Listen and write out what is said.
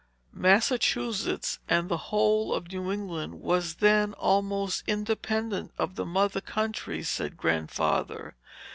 "Massachusetts, and the whole of New England, was then almost independent of the mother country," said Grandfather.